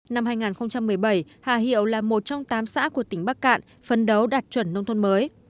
năm hai nghìn một mươi bảy hà hiệu là một trong tám xã của tỉnh bắc cạn phấn đấu đạt chuẩn nông thôn mới